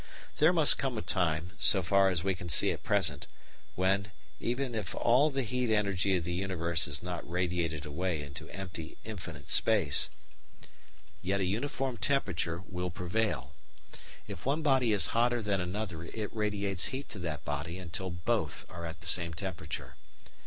There must come a time, so far as we can see at present, when, even if all the heat energy of the universe is not radiated away into empty infinite space, yet a uniform temperature will prevail. If one body is hotter than another it radiates heat to that body until both are at the same temperature.